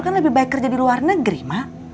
kan lebih baik kerja di luar negeri mak